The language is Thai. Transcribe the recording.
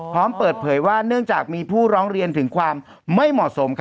พร้อมเปิดเผยว่าเนื่องจากมีผู้ร้องเรียนถึงความไม่เหมาะสม